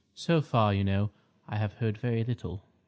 So far, you know, I have heard very little."